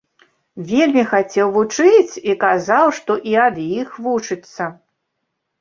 Вельмі хацеў вучыць і казаў, што і ад іх вучыцца.